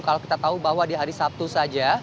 kalau kita tahu bahwa di hari sabtu saja